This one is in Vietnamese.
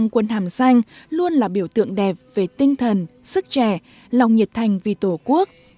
quân hàm xanh luôn là biểu tượng đẹp về tinh thần sức trẻ lòng nhiệt thành vì tổ quốc